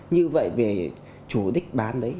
như vậy về chủ đích bán đấy